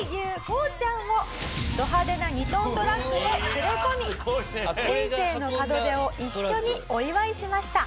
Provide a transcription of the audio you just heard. こうちゃんをド派手な２トントラックで連れ込み人生の門出を一緒にお祝いしました。